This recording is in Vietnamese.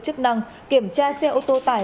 chức năng xác định luang là chủ mưu cầm đầu đường dây